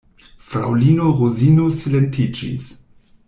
Fraŭlino Rozino silentiĝis.